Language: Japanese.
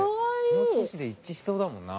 もう少しで一致しそうだもんな。